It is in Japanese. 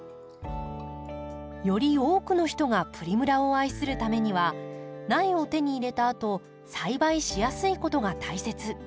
より多くの人がプリムラを愛するためには苗を手に入れたあと栽培しやすいことが大切。